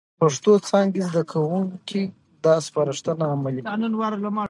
د پښتو څانګې زده کوونکي دا سپارښتنه عملي کړي،